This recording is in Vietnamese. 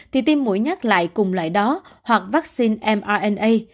thì tim mũi nhắc lại cùng loại đó hoặc vaccine mrna